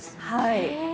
はい。